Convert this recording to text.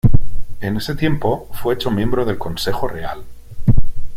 En ese tiempo fue hecho miembro del consejo real.